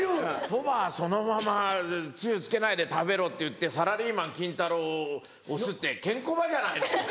「そばそのままつゆつけないで食べろ」って言って『サラリーマン金太郎』を推すってケンコバじゃないの？